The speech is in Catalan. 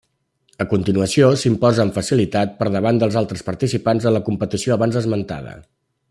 A continuació, s'imposa amb facilitat, per davant dels altres participants, en la competició abans esmentada.